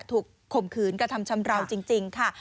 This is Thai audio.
ข่มขืนกระทำชำราวจริงค่ะ